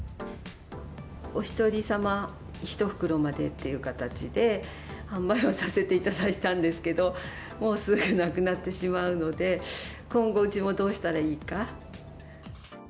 お１人様１袋までという形で、販売をさせていただいたんですけど、もうすぐなくなってしまうので、今後、うちもどうしたらいいか。